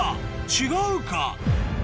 違うか？